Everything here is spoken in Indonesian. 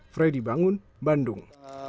freddy bangun bandung